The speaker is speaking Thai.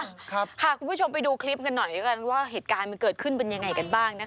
คุณผู้ชมไปดูคลิปกันหน่อยแล้วกันว่าเหตุการณ์มันเกิดขึ้นเป็นยังไงกันบ้างนะคะ